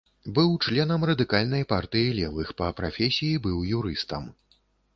Быў членам радыкальнай партыі левых, па прафесіі быў юрыстам.